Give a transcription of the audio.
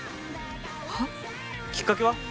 はっ？きっかけは？